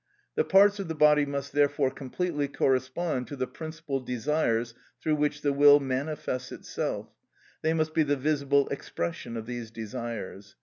The parts of the body must, therefore, completely correspond to the principal desires through which the will manifests itself; they must be the visible expression of these desires.